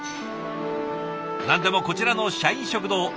何でもこちらの社員食堂